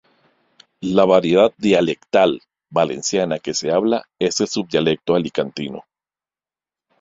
La variedad dialectal valenciana que se habla es el subdialecto alicantino.